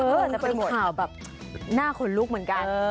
แต่เป็นข่าวแบบหน้าขนลุกเหมือนกัน